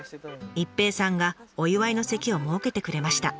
一平さんがお祝いの席を設けてくれました。